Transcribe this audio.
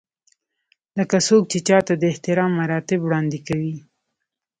لکه څوک چې چاته د احترام مراتب وړاندې کوي.